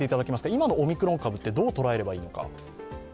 今のオミクロン株をどう捉えればいいのか。